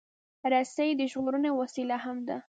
رسۍ د ژغورنې وسیله هم ده.